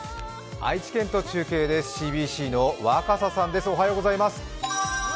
愛知県と中継ですＣＢＣの若狭さんです。